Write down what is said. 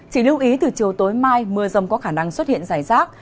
chỉ lưu ý từ chiều tối mai mưa rông có khả năng xuất hiện rải rác